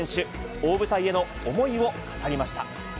大舞台への思いを語りました。